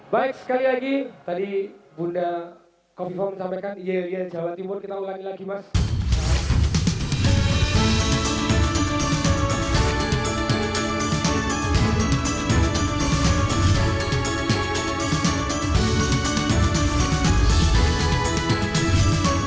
baik sekali lagi tadi bunda kofifa menyampaikan yeri yen jawa timur kita ulangi lagi mas